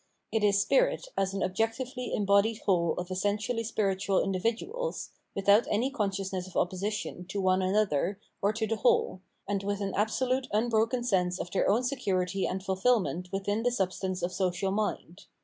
It is spirit as an objectively embodied whole of essentially spiritual individuals, without any con sciousness of opposition to one another or to the whole, and with an absolute unbroken sense of their own security and fulfilment within the substance of social mind.